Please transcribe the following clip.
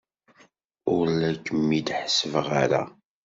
Ur la kem-id-ḥessbeɣ ara.